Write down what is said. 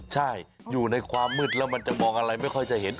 ใช่อยู่ในความมืดแล้วมันจะมองอะไรไม่ค่อยจะเห็น